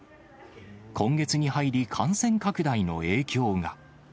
今月に入り、感染拡大の影響が。